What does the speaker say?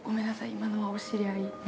今のはお知り合いの。